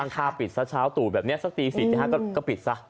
ตั้งค่าปิดสักเช้าตู่แบบนี้สักตี๔๕ก็ปิดซะ